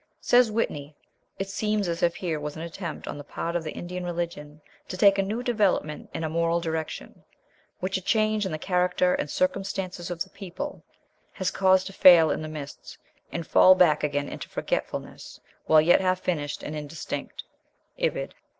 Says Whitney, "It seems as if here was an attempt on the part of the Indian religion to take a new development in a moral direction, which a change in the character and circumstances of the people has caused to fail in the midst, and fall back again into forgetfulness, while yet half finished and indistinct." (Ibid.)